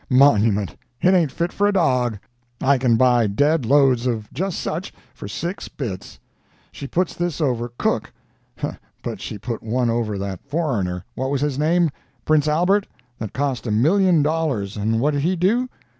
Monument! it ain't fit for a dog—I can buy dead loads of just such for six bits. She puts this over Cook—but she put one over that foreigner—what was his name?—Prince Albert—that cost a million dollars—and what did he do?